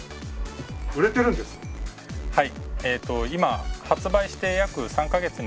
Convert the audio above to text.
はい